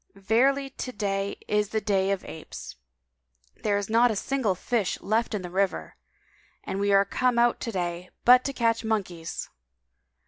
Verily, to day is a day of apes: there is not a single fish left in the river, and we are come out to day but to catch monkeys!"